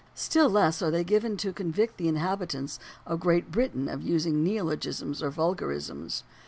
Still less are they given to convict the inhabitants of Great Britain of using neologisms or vulgarisms.